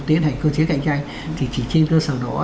tiến hành cơ chế cạnh tranh thì chỉ trên cơ sở đó